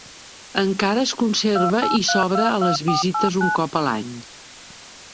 Encara es conserva i s'obre a les visites un cop a l'any.